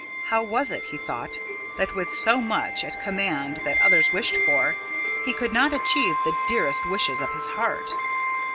How was it, he thought, that with so much at command that others wished for, he could not achieve the dearest wishes of his heart?